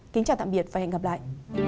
kính chào tạm biệt và hẹn gặp lại